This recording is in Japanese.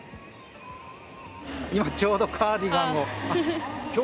今ちょうど、カーディガンを。